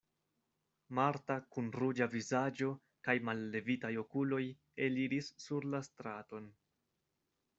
Marta kun ruĝa vizaĝo kaj mallevitaj okuloj eliris sur la straton.